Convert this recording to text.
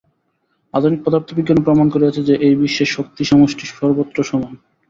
আধুনিক পদার্থ-বিজ্ঞানও প্রমাণ করিয়াছে যে, এই বিশ্বে শক্তিসমষ্টি সর্বত্র সমান।